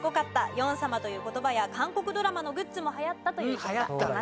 「ヨン様」という言葉や韓国ドラマのグッズも流行ったという意見がありました。